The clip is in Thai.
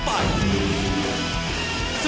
สนับสนุนโจม